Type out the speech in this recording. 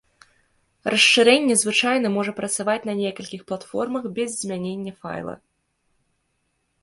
Расшырэнне звычайна можа працаваць на некалькіх платформах без змянення файла.